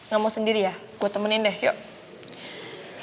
gak mau sendiri ya gue temenin deh yuk